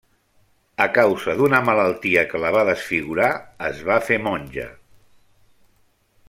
A causa d'una malaltia que la va desfigurar, es va fer monja.